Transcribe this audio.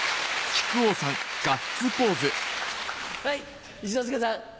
はい一之輔さん。